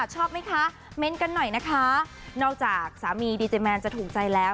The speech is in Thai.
ชอบไหมคะเม้นต์กันหน่อยนะคะนอกจากสามีดีเจแมนจะถูกใจแล้ว